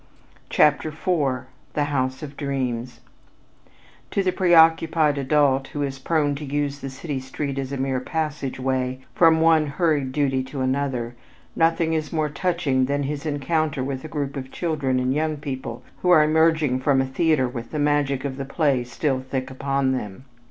CHAPTER IV THE HOUSE OF DREAMS To the preoccupied adult who is prone to use the city street as a mere passageway from one hurried duty to another, nothing is more touching than his encounter with a group of children and young people who are emerging from a theater with the magic of the play still thick upon them.